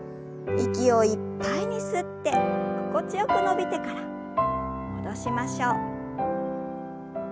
息をいっぱいに吸って心地よく伸びてから戻しましょう。